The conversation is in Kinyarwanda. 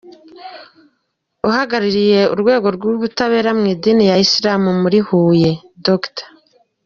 Uhagarariye urwego rw’ubutabera mu idini ya isilamu muri Huye, Dr.